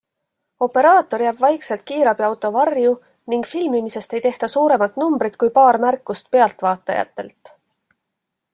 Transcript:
Operaator jääb vaikselt kiirabiauto varju ning filmimisest ei tehta suuremat numbrit kui paar märkust pealtvaatajatelt.